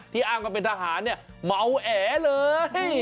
อ้างว่าเป็นทหารเนี่ยเมาแอเลย